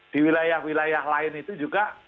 di wilayah wilayah lain itu juga